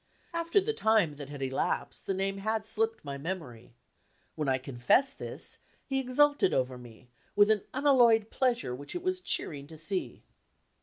After the time that had elapsed, the name had slipped my memory. When I confessed this, he exulted over me, with an unalloyed pleasure which it was cheering to see.